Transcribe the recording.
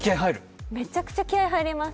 めちゃくちゃ気合い入ります。